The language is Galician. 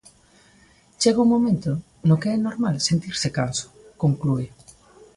Chega un momento no que é normal sentirse canso, conclúe.